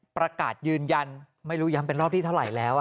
ประกาศยืนยันไม่รู้ย้ำเป็นรอบที่เท่าไหร่แล้ว